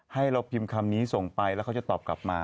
ให้เราพิมพ์คำนี้ส่งไปแล้วเขาจะตอบกลับมา